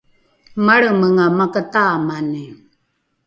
malremenga makataamani